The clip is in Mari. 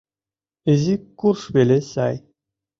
Изи курш веле сай.